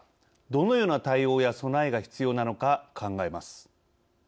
どのような対応や備えが必要なのか考えます。